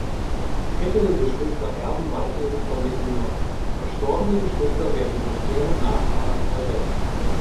Ältere Geschwister erben weiterhin vor den jüngeren; verstorbene Geschwister werden durch deren Nachfahren ersetzt.